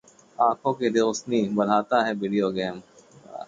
आंखों की रोशनी बढ़ाता है वीडियो गेम